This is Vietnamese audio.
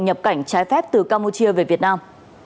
nhập cảnh trái phép từ campuchia về việt nam